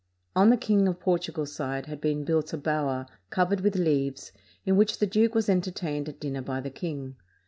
On the King of Portugal's side had been built a bower, covered with leaves, in which the duke was entertained at dinner by the king.